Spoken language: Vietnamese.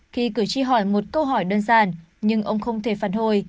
khi cử tri hỏi một câu hỏi đơn giản nhưng ông không thể phản hồi